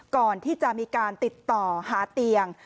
ก่อนที่จะมีการติดต่อหาเตียง